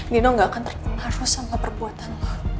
nino gak akan terkenal sama perbuatan